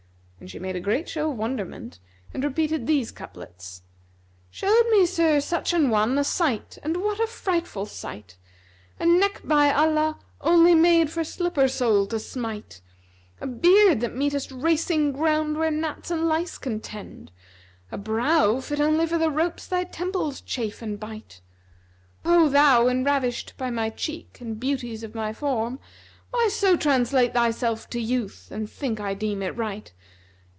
And she made a great show of wonderment and repeated these couplets, "Showed me Sir Such an one a sight and what a frightful sight! * A neck by Allah, only made for slipper sole to smite[FN#266] A beard the meetest racing ground where gnats and lice contend, * A brow fit only for the ropes thy temples chafe and bite.[FN#267] O thou enravish" by my cheek and beauties of my form, * Why so translate thyself to youth and think I deem it right?